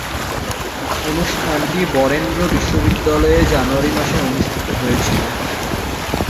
অনুষ্ঠানটি বরেন্দ্র বিশ্ববিদ্যালয়ে জানুয়ারি মাসে অনুষ্ঠিত হয়েছিলো।